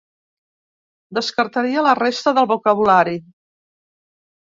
Descartaria la resta del vocabulari.